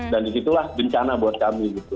dan disitulah bencana buat kami gitu